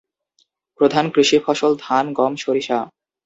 প্রধান কৃষি ফসল ধান, গম, সরিষা।